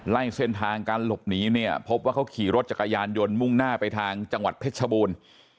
เส้นทางการหลบหนีเนี่ยพบว่าเขาขี่รถจักรยานยนต์มุ่งหน้าไปทางจังหวัดเพชรชบูรณ์